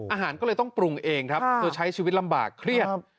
อาหารก็เลยต้องปรุงเองครับเธอใช้ชีวิตลำบากเครียด